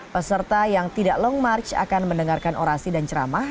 peserta yang tidak long march akan mendengarkan orasi dan ceramah